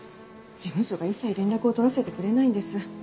事務所が一切連絡を取らせてくれないんです。